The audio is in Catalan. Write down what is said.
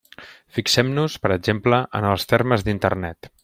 Fixem-nos, per exemple, en els termes d'Internet.